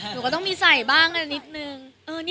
หนูก็ต้องมีใส่บ้างอะไรนิดนึง